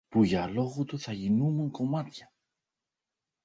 που για λόγου του θα γίνουμουν κομμάτια!